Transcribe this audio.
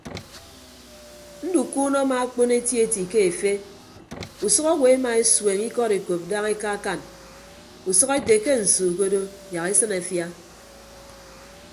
Ndukuunọ amaakpon etieti ke efe usʌk owo emaesueñ ikọd ekop daña ekaakan usʌk ete ke nsu ke odo yak esịn afia.